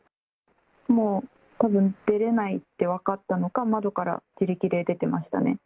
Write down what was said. もうたぶん、出れないって分かったのか、窓から自力で出てましたね。